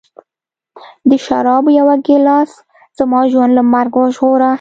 د شرابو یوه ګیلاس زما ژوند له مرګ وژغوره